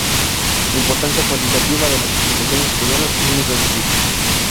La importancia cuantitativa de las exportaciones españolas es muy reducida.